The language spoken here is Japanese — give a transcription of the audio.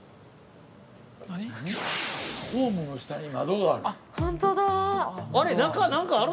ホームの下に窓がある。